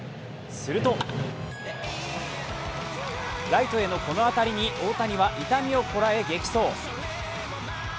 すると、ライトへのこの当たりに大谷は痛みをこらえ激走。